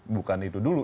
bukan itu dulu